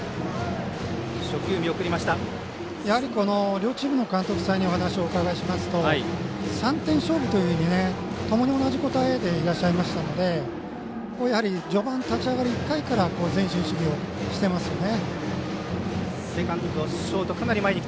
両チームの監督さんにお話をお伺いしますと３点勝負というようにともにいらっしゃいましたので序盤、立ち上がり１回から前進守備をしてますよね。